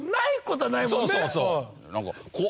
そうそうそう。何か。